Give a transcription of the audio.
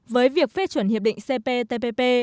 với việc phê chuẩn hiệp định cptpp